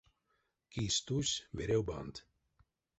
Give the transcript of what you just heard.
Кись тусь веревбандт.